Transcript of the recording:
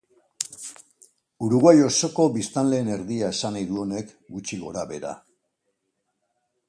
Uruguai osoko biztanleen erdia esan nahi du honek, gutxi gora-behera.